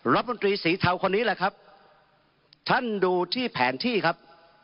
รัฐมนตรีสีเทาคนนี้แหละครับท่านดูที่แผนที่ครับ